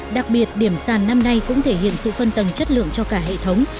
đặc biệt điểm sàn năm nay cũng thể hiện sự phân tầng chất lượng cho cả hệ thống